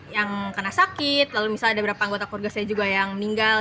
yang kena sakit lalu misalnya ada beberapa anggota keluarga saya juga yang meninggal